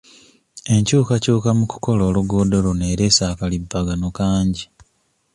Enkyukakyuka mu kukola oluguudo luno ereese akalipagano kangi.